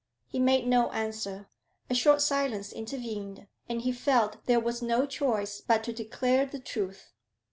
He made no answer. A short silence intervened, and he felt there was no choice but to declare the truth.